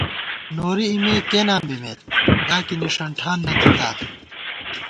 نوری اِمےکېنا بِمېت، یا کی نِݭن ٹھان نہ تھِتا